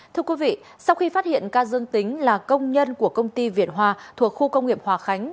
thưa quý vị sau khi phát hiện ca dương tính là công nhân của công ty việt hòa thuộc khu công nghiệp hòa khánh